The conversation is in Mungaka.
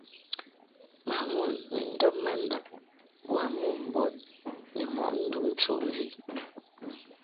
Mamon ni ndɔb mandab boa mombɔd ni mɔʼ nduŋ nchuʼmvi.